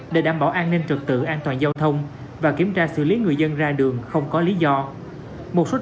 để đảm bảo an ninh trực tự an toàn giao thông và kiểm tra xử lý người dân ra đường không có lý do